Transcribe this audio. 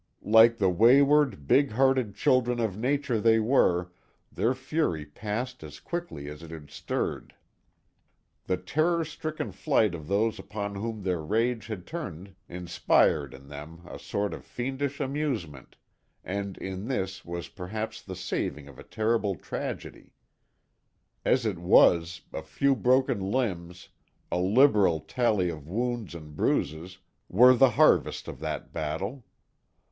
Like the wayward, big hearted children of nature they were, their fury passed as quickly as it had stirred. The terror stricken flight of those upon whom their rage had turned inspired in them a sort of fiendish amusement, and in this was perhaps the saving of a terrible tragedy. As it was, a few broken limbs, a liberal tally of wounds and bruises were the harvest of that battle.